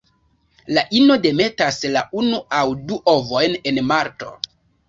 La ino demetas la unu aŭ du ovojn en marto.